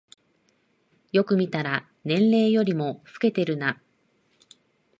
よく見たら年齢よりも老けてるな